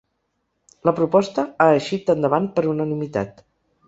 La proposta ha eixit endavant per unanimitat.